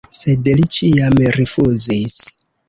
Sed li ĉiam rifuzis.